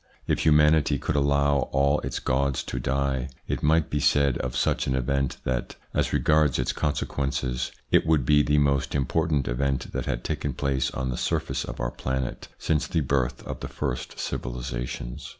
If humanity could allow all its gods to die, it might be said of such an event that, as regards its consequences, it would be the most important event that had taken place on the surface of our planet since the birth of the first civilisations.